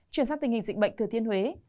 chuyển sang tình hình dịch bệnh thừa thiên huế